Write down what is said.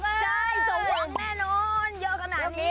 ใช่สมหวังแน่นอนเยอะขนาดนี้